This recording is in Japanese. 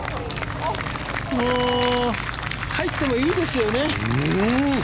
入ってもいいですよね。